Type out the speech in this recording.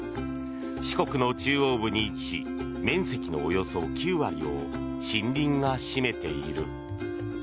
四国の中央部に位置し面積のおよそ９割を森林が占めている。